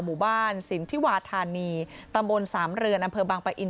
หมู่บ้านสินทิวาธานีตำบลสามเรือนอำเภอบางปะอิน